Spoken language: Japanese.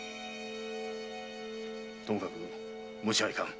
とにかく無茶はいかん。